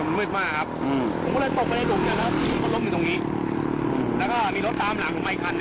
เพราะกรุงใหญ่มาก